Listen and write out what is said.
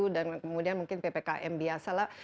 dan kemudian mungkin ppkm biasa lah